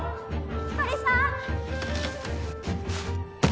光莉さん！